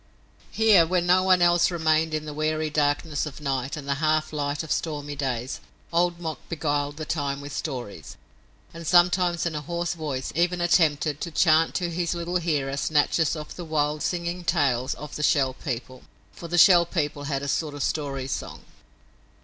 Here, when no one else remained in the weary darkness of night and the half light of stormy days Old Mok beguiled the time with stories, and sometimes in a hoarse voice even attempted to chant to his little hearer snatches of the wild singing tales of the Shell People, for the Shell People had a sort of story song.